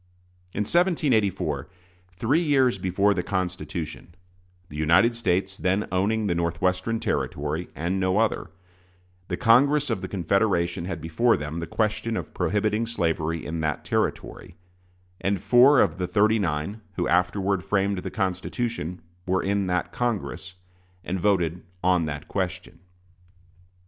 In 1784, three years before the Constitution, the United States then owning the Northwestern Territory and no other, the Congress of the Confederation had before them the question of prohibiting slavery in that Territory; and four of the "thirty nine" who afterward framed the Constitution were in that Congress, and voted on that question.